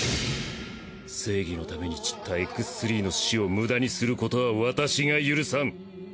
正義のために散ったＸ−の死を無駄にすることは私が許さん。